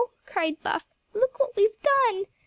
cried Buff. "Look what we've done."